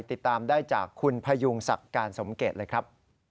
ติดตามได้จากคุณพยุงศักดิ์การสมเกตเลยครับ